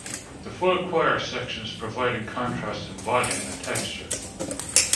The 'full choir' sections providing contrast in volume and texture.